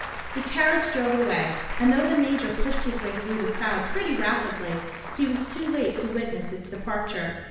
The carriage drove away; and though the Major pushed his way through the crowd pretty rapidly, he was too late to witness its departure.